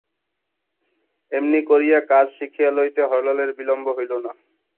এমনি করিয়া কাজ শিখিয়া লইতে হরলালের বিলম্ব হইল না।